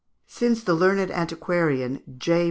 Since the learned antiquarian, J.